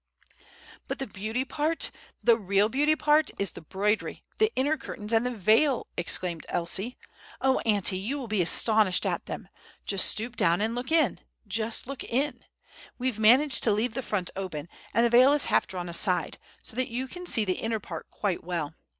"But the beauty part—the real beauty part—is the 'broidery, the inner curtains, and the veil!" exclaimed Elsie. "Oh, auntie, you will be astonished at them. Just stoop down and look in—just look in! We've managed to leave the front open, and the veil is half drawn aside, so that you can see the inner part quite well.